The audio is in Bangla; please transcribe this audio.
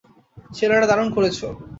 ছেলেরা, দারুণ করেছো!